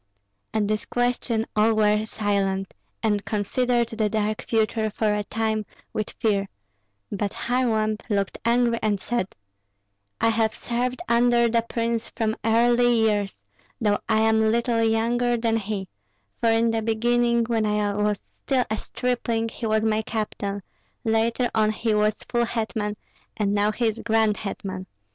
At this question all were silent, and considered the dark future for a time with fear; but Kharlamp looked angry and said, "I have served under the prince from early years, though I am little younger than he; for in the beginning, when I was still a stripling, he was my captain, later on he was full hetman, and now he is grand hetman.